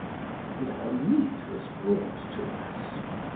And our meat was brought to us.